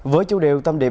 với chủ điều tâm điểm